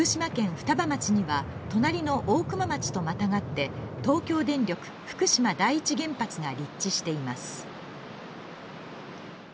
双葉町には隣の大熊町とまたがって東京電力福島第一原発が立地しています。